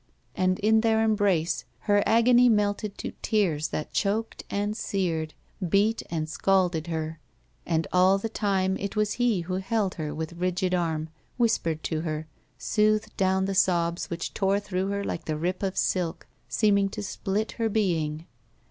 And in their embrace, her agony melted to tears that choked and seared, beat and scalded her, and 88 BACK PAY all the time it was he who held her with rigid ann, whispered to her, soothed down the sobs which tore through her like the rip of silk, seeming to split her being.